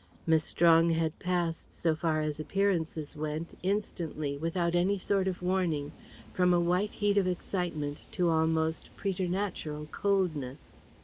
Miss Strong had passed, so far as appearances went, instantly, without any sort of warning, from a white heat of excitement to almost preternatural coldness.